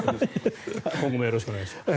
今後もよろしくお願いします。